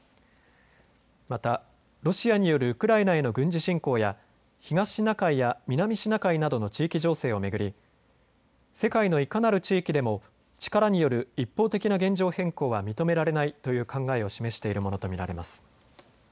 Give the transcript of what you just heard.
またロシアによるウクライナへの軍事侵攻や東シナ海や南シナ海などの地域情勢を巡り、世界のいかなる地域でも力による一方的な現状変更は認められないという考えを示しているものと見られます。